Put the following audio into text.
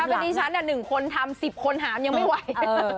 ถ้าเป็นที่ฉันเนี่ย๑คนทำ๑๐คนหามยังไม่ไหว